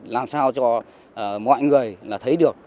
làm sao cho mọi người là thấy được